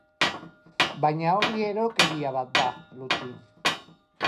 Baina hori erokeria bat da, Lucy!